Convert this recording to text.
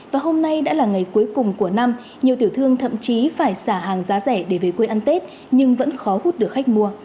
và hôm nay đã là ngày cuối cùng của năm nhiều tiểu thương thậm chí phải xả hàng giá rẻ để về quê ăn tết nhưng vẫn khó hút được khách mua